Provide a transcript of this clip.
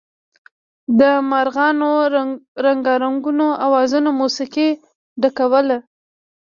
د مارغانو رنګارنګو اوازونو موسيقۍ ډکوله.